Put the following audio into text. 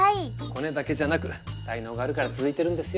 コネだけじゃなく才能があるから続いてるんですよ。